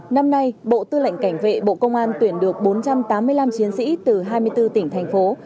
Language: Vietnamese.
năm nay bộ tư lệnh cảnh vệ bộ công an tuyển được bốn trăm tám mươi năm chiến sĩ từ hai mươi bốn tỉnh thành phố